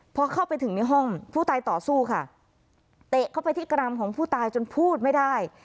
พอเข้าไปถึงในห้องผู้ตายต่อสู้ค่ะเตะเข้าไปที่กรำของผู้ตายจนพูดไม่ได้